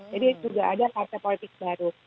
jadi juga ada partai politik baru